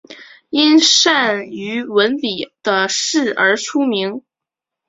因善于文笔的事而出名。